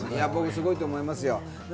すごいと思いますよ。